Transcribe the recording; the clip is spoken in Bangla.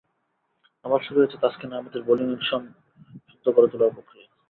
আবার শুরু হয়েছে তাসকিন আহমেদের বোলিং অ্যাকশন শুদ্ধ করে তোলার প্রক্রিয়া।